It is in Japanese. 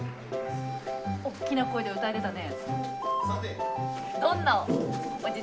・おっきな声で歌えてたね。